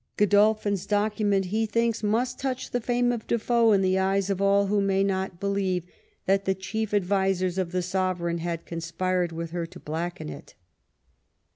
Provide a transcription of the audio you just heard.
Godolphin's document, he thinks, '^ must touch the fame of Defoe in the eyes of all who may not believe that the chief advisers of the sovereign had conspired with her to blacken it."